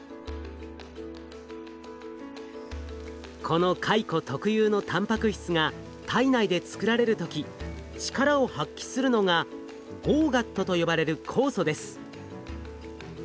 このカイコ特有のたんぱく質が体内で作られる時力を発揮するのがＧＯＧＡＴと呼ばれる酵素です。